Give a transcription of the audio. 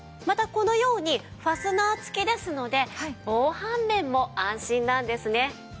またこのようにファスナー付きですので防犯面も安心なんですね。